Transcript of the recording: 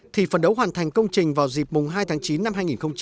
thì phần đấu hoàn thành công trình vào dịp mùng hai tháng chín năm hai nghìn hai mươi năm